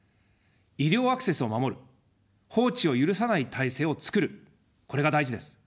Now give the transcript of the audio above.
医療アクセスを守る、放置を許さない体制を作る、これが大事です。